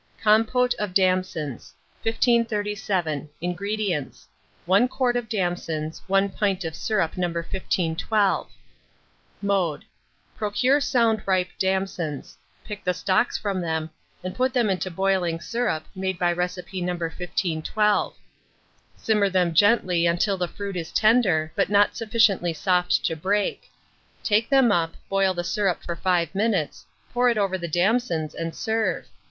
COMPOTE OF DAMSONS. 1537. INGREDIENTS. 1 quart of damsons, 1 pint of syrup No. 1512. Mode. Procure sound ripe damsons; pick the stalks from them, and put them into boiling syrup, made by recipe No. 1512. Simmer them gently until the fruit is tender, but not sufficiently soft to break; take them up, boil the syrup for 5 minutes; pour it over the damsons, and serve.